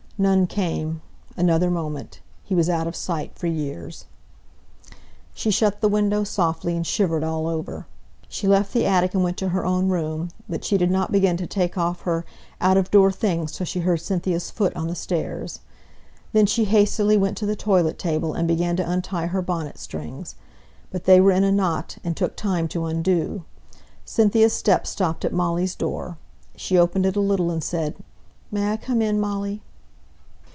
None came another moment he was out of sight for years! [Illustration: THE LAST TURNING.] She shut the window softly, and shivered all over. She left the attic and went to her own room; but she did not begin to take off her out of door things till she heard Cynthia's foot on the stairs. Then she hastily went to the toilet table, and began to untie her bonnet strings; but they were in a knot, and took time to undo. Cynthia's step stopped at Molly's door; she opened it a little and said, "May I come in, Molly?"